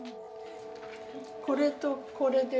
これとこれで。